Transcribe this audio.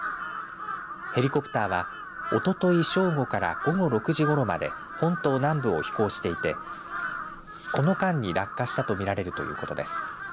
ヘリコプターはおととい正午から午後６時ごろまで本島南部を飛行していてこの間に落下したと見られるということです。